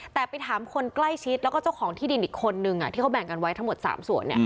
แต่ไปถามคนใกล้ชิดแล้วก็เจ้าของที่ดินอีกคนนึงที่เขาแบ่งกันไว้ทั้งหมด๓ส่วน